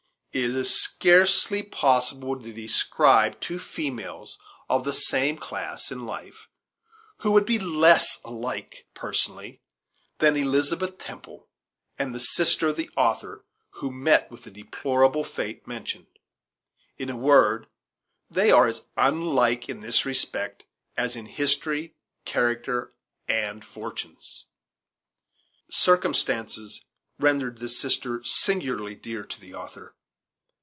It is scarcely possible to describe two females of the same class in life who would be less alike, personally, than Elizabeth Temple and the sister of the author who met with the deplorable fate mentioned. In a word, they were as unlike in this respect as in history, character, and fortunes. Circumstances rendered this sister singularly dear to the author.